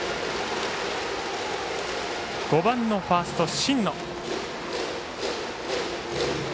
５番のファースト、新野。